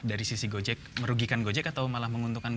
dari sisi gojek merugikan gojek atau malah menguntungkan